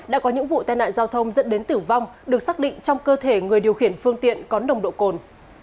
đã có những vụ tai nạn giao thông dẫn đến tử vong được xác định trong cơ thể người điều khiển phương tiện có nồng độ cồn